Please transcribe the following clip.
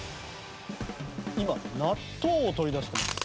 今納豆を取り出してます。